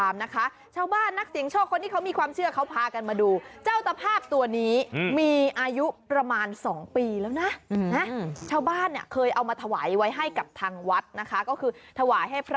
เป็นสิ่งศักดิ์สิทธิ์